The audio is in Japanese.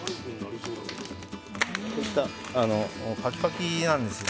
こういったパキパキなんですよ。